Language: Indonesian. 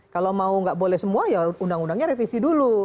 kalau mau nggak boleh semua ya undang undangnya revisi dulu